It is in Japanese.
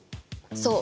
そう。